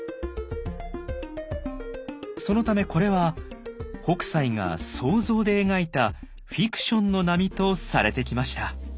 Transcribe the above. そのためこれは北斎が想像で描いたフィクションの波とされてきました。